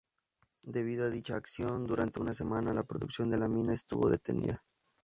Debido a dicha acción, durante una semana la producción de la mina estuvo detenida.